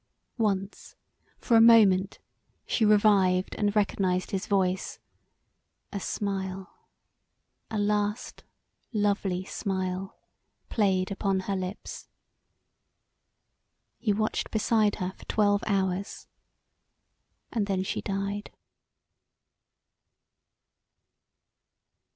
Once for a moment she revived and recognized his voice; a smile, a last lovely smile, played upon her lips. He watched beside her for twelve hours and then she died.